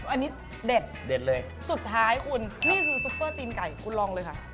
อันนี้เด็ดเด็ดเลยสุดท้ายคุณนี่คือซุปเปอร์ตีนไก่คุณลองเลยค่ะ